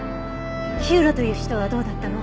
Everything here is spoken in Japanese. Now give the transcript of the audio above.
火浦という人はどうだったの？